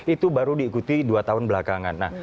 itu baru diikuti dua tahun belakangan